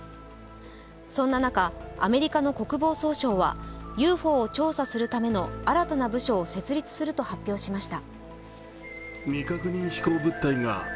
そんな中、アメリカの国防総省はＵＦＯを調査するための新たな部署を設立すると発表しました。